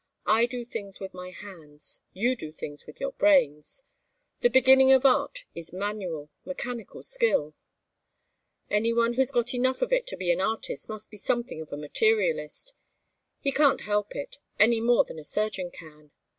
I do things with my hands, you do things with your brains. The beginning of art is manual, mechanical skill. Any one who's got it enough to be an artist must be something of a materialist. He can't help it, any more than a surgeon can.